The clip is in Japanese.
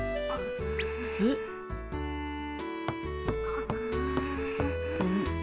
うん？